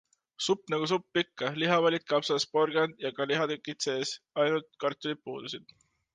Supp nagu supp ikka, lihapallid, kapsas, porgand ja ka ihatükid sees, ainult kartulid puudusid.